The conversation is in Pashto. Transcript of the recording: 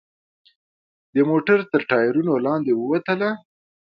د موټر تر ټایرونو لاندې ووتله.